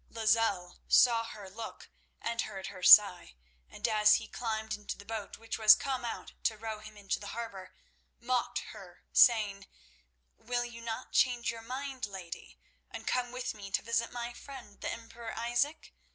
Lozelle saw her look and heard her sigh, and as he climbed into the boat which had come out to row him into the harbour, mocked her, saying: "Will you not change your mind, lady, and come with me to visit my friend, the Emperor Isaac?